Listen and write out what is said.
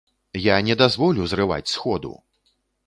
Я не дазволю зрываць сходу!